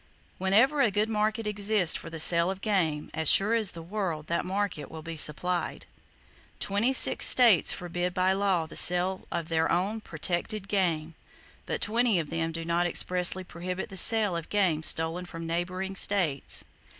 Whenever a good market exists for the sale of game, as sure as the world that market will be supplied. Twenty six states forbid by law the sale of their own "protected" game, but twenty of them do not expressly prohibit the sale of game stolen from neighboring states!